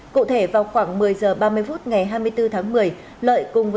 cụ thể vào khoảng một mươi giờ ba mươi phút ngày hai mươi bốn tháng một mươi